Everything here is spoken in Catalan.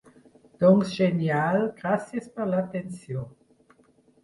Doncs genial, gràcies per l'atenció.